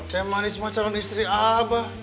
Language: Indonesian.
teh manis maceran istri abah